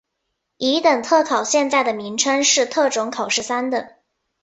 乙等特考现在的名称是特种考试三等。